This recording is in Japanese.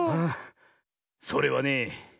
それはね